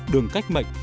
đường cách mệnh